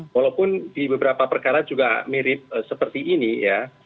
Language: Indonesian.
walaupun di beberapa perkara juga mirip seperti ini ya